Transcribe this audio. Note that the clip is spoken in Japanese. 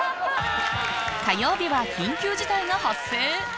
火曜日は緊急事態が発生。